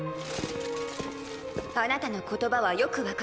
あなたの言葉はよくわかります。